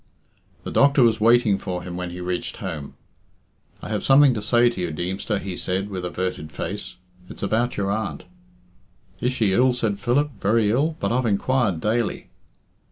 The doctor was waiting for him when he reached home. "I have something to say to you, Deemster," he said, with averted face. "It's about your aunt." "Is she ill?" said Philip. "Very ill." "But I've inquired daily."